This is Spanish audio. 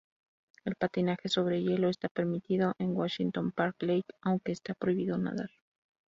El patinaje sobre hielo está permitido en Washington Park Lake, aunque está prohibido nadar.